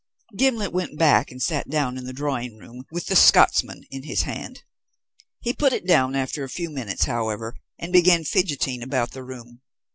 Gimblet went back and sat down in the drawing room with the Scotsman in his hand. He put it down after a few minutes, however, and began fidgeting about the room.